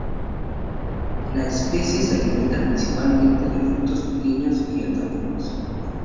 La especie se alimenta principalmente de frutos pequeños y artrópodos.